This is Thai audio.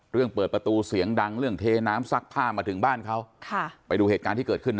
เรื่องเปิดประตูเสียงดังเรื่องเทน้ำซักผ้ามาถึงบ้านเขา